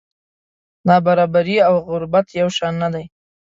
نابرابري او غربت یو شان نه دي.